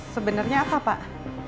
sebenarnya apa pak